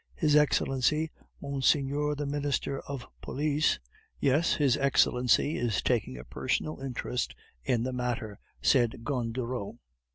His Excellency, Monseigneur the Minister of Police " "Yes, his Excellency is taking a personal interest in the matter," said Gondureau.